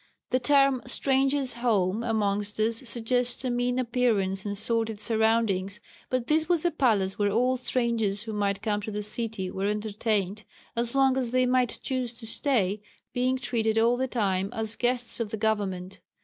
The term "Strangers' Home" amongst us suggests a mean appearance and sordid surroundings, but this was a palace where all strangers who might come to the city were entertained as long as they might choose to stay being treated all the time as guests of the Government.